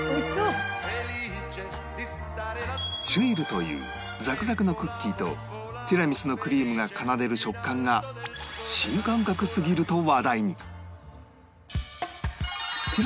チュイルというザクザクのクッキーとティラミスのクリームが奏でる食感が新感覚すぎると話題に